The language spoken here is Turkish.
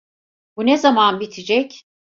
Bu ne zaman bitecek?